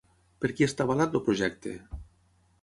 Per qui està avalat el projecte?